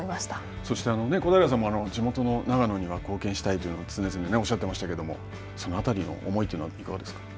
そして小平さんも地元の長野には貢献したいというのは常々おっしゃっていましたけど、その辺りの思いというのはいかがですか。